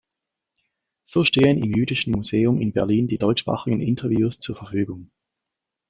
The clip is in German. So stehen im jüdischen Museum in Berlin die deutschsprachigen Interviews zur Verfügung.